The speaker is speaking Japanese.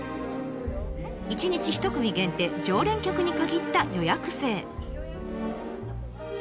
１日１組限定常連客に限った予約制。